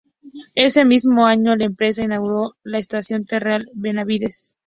Ese mismo año, la empresa inauguró la Estación Terrena Benavídez.